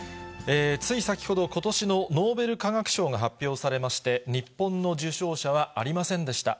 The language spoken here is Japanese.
つい先ほど、ことしのノーベル化学賞が発表されまして、日本の受賞者はありませんでした。